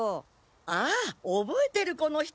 あぁおぼえてるこの人！